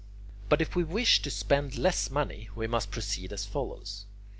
But if we wish to spend less money, we must proceed as follows.